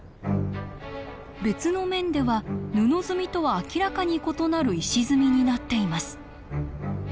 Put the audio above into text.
別の面では布積みとは明らかに異なる石積みになっています